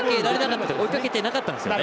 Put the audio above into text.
追いかけてなかったんですよね。